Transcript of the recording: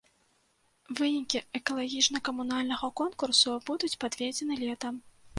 Вынікі экалагічна-камунальнага конкурсу будуць падведзены летам.